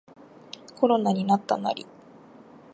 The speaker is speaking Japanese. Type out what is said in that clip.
コロナになったナリ